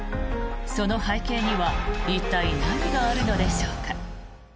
その背景には一体、何があるのでしょうか。